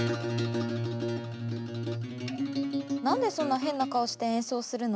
なんでそんな変な顔して演奏するの？